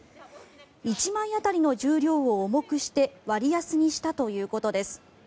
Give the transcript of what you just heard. １枚当たりの重量を重くして割安にしたということです。